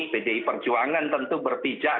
bdi perjuangan tentu berpijak